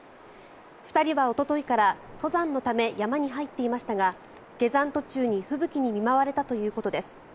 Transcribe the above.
２人はおとといから登山のため山に入っていましたが下山途中に吹雪に見舞われたということです。